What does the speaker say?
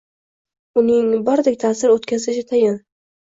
Uning birdek ta’sir o‘tkazishi tayin.